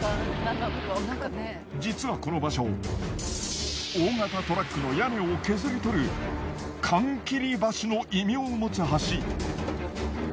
実はこの場所大型トラックの屋根を削り取る缶切り橋の異名を持つ橋。